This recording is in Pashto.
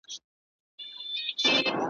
زېږوي یې چاغوي یې ځوانوي یې ,